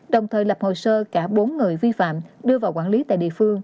đồng thời lập hồ sơ cả bốn người vi phạm đưa vào quản lý tại địa phương